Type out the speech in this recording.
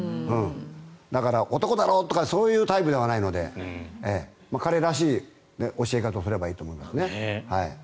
だから、男だろ！とかそういうタイプではないので彼らしい教え方をすればいいと思いますね。